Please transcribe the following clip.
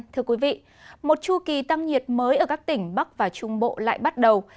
thưa quý vị một chu kỳ tăng nhiệt mới ở các tỉnh bắc và trung bộ lại bắt đầu